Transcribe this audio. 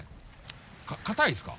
硬いですか？